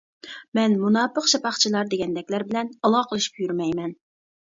مەن مۇناپىق-شاپاقچىلار دېگەندەكلەر بىلەن ئالاقىلىشىپ يۈرمەيمەن.